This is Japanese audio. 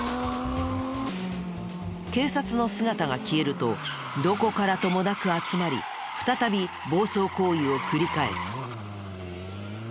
警察の姿が消えるとどこからともなく集まり再び暴走行為を繰り返す。